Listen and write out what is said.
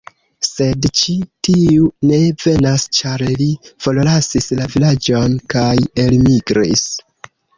Sed ĉi tiu ne venas, ĉar li forlasis la vilaĝon kaj elmigris.